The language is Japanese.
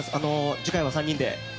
次回は３人で。